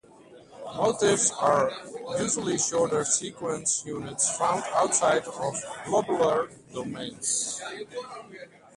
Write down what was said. Motifs are usually shorter sequence units found outside of globular domains.